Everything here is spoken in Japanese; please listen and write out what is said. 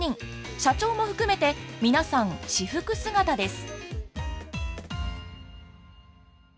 社長も含めて皆さん私服姿です。